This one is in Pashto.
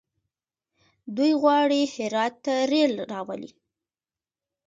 دوی غواړي هرات ته ریل راولي.